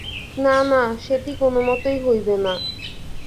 না না, সেটি কোনোমতেই হইবে না।